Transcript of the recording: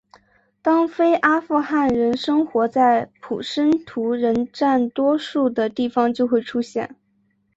当非阿富汗人生活在普什图人占多数的地方就会出现。